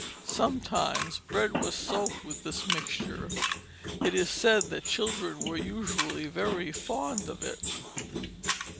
Sometimes bread was soaked with this mixture. It is said that children were usually very fond of it.